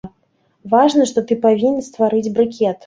Важна, што ты павінен стварыць брыкет.